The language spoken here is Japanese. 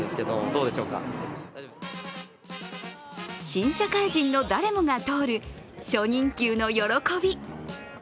新社会人の誰もが通る初任給の喜び。